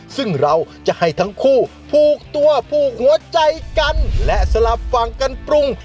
ซึ่งเราจะให้ทั้งคู่ผูกตัวผูกหัวใจกันและสลับฝั่งกันปรุง